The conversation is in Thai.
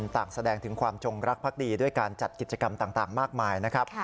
ต่างแสดงถึงความจงรักภักดีด้วยการจัดกิจกรรมต่างมากมายนะครับ